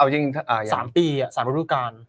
เอาจริงสามปีสามรูปการ